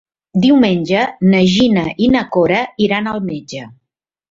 Diumenge na Gina i na Cora iran al metge.